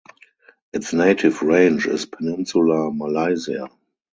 Its native range is Peninsula Malaysia.